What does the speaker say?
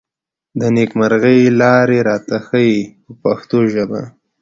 د نېکمرغۍ لارې راته ښيي په پښتو ژبه.